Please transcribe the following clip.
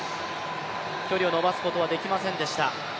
距離を伸ばすことはできませんでした。